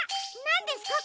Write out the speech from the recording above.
なんですか？